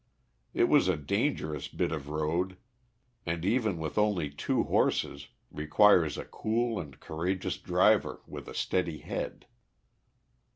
It was a dangerous bit of road, and even with only two horses, requires a cool and courageous driver with a steady head.